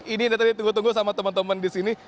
ini dia tadi tunggu tunggu sama teman teman di sini